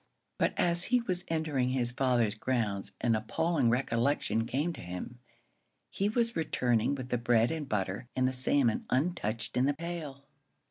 But as he was entering his father's grounds an appalling recollection came to him. He was returning with the bread and butter and the salmon untouched in the pail!